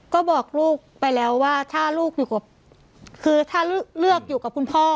ก็บอกลูกไปแล้วว่าถ้าลูกอยู่กับคือถ้าเลือกอยู่กับคุณพ่อ